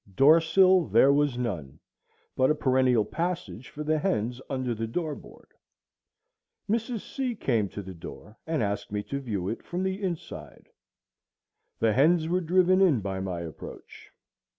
Door sill there was none, but a perennial passage for the hens under the door board. Mrs. C. came to the door and asked me to view it from the inside. The hens were driven in by my approach.